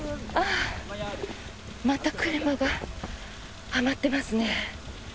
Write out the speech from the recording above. また車がはまっていますね。